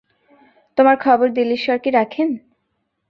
তোমার খবর দিল্লীশ্বর কী রাখেন?